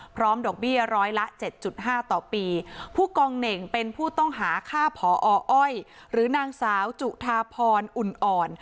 ดอกเบี้ยร้อยละเจ็ดจุดห้าต่อปีผู้กองเหน่งเป็นผู้ต้องหาฆ่าผออ้อยหรือนางสาวจุธาพรอุ่นอ่อน